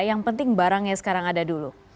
yang penting barangnya sekarang ada dulu